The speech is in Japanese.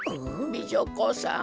美女子さん。